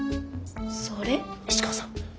市川さん